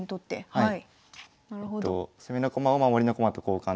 はい。